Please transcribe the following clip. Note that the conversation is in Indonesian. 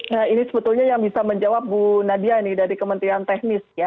nah ini sebetulnya yang bisa menjawab bu nadia nih dari kementerian teknis ya